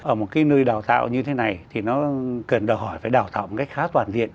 ở một cái nơi đào tạo như thế này thì nó cần đòi hỏi phải đào tạo một cách khá toàn diện